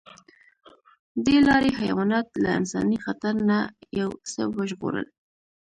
دې لارې حیوانات له انساني خطر نه یو څه وژغورل.